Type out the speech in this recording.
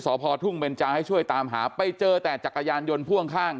สพทุ่งเบนจาให้ช่วยตามหาไปเจอแต่จักรยานยนต์พ่วงข้าง